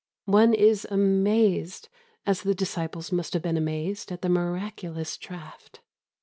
One is amazed, as the disciples must have been amazed at the miraculous draught.